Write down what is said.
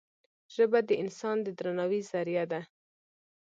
ژبه د انسان د درناوي زریعه ده